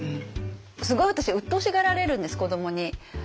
すごい私うっとうしがられるんです子どもに。